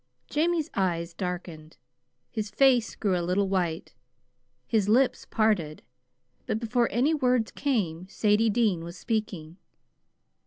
Jamie's eyes darkened. His face grew a little white. His lips parted, but before any words came, Sadie Dean was speaking.